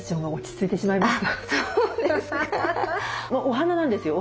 お花なんですよ。